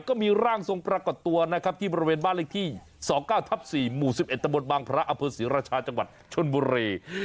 ก็มีร่างทรงปรากฏตัวนะครับที่ประเมนบ้านเลขที่๒๙๔หมู่๑๑ตมบพระอาพิษฐ์ราชาจังหวัดชุนบุรี